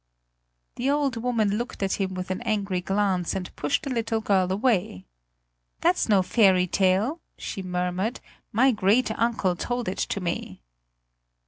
The old woman looked at him with an angry glance and pushed the little girl away. "That's no fairy tale," she murmured, "my great uncle told it to me!"